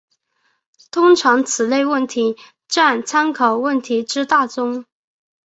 通常此类问题占参考问题之大宗。